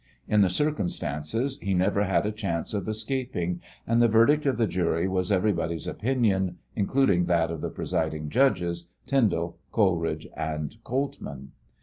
In the circumstances, he never had a chance of escaping, and the verdict of the jury was everybody's opinion, including that of the presiding judges, Tindal, Coleridge and Coltman.